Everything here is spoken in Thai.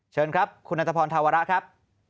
เชิญครับคุณนัทพรธาวระครับ